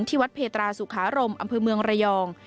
ที่วัดเพตราสุขารมอำเภอเมืองระยอง